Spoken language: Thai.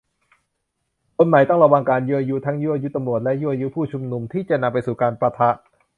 คนใหม่ ต้องระวังการยั่วยุ ทั้งยั่วยุตำรวจ และยั่วยุผู้ชุมนุม ที่จะนำไปสู่การปะทะ